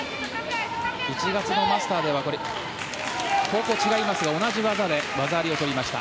１月のマスターズでは方法が違いますが同じ技で技ありをとりました。